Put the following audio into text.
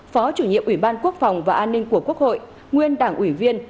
phó chủ nhiệm ủy ban quốc phòng và an ninh của quốc hội nguyên đảng ủy viên